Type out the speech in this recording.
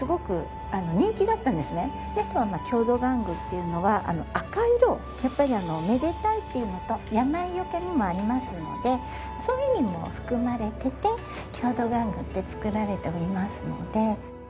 郷土玩具っていうのは赤い色やっぱり「めでたい」っていうのと「病除け」にもありますのでそういう意味も含まれてて郷土玩具って作られておりますので。